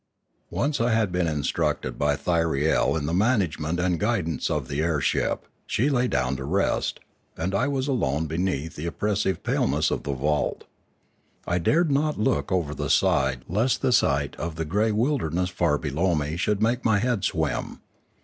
Once I had been instructed by Thyriel in the man agement and guidance of the air ship, she lay down to rest; and I was alone beneath the oppressive paleness of the vault. I dared not look over the side lest the sight of the grey wilderness far below me should make my head swim.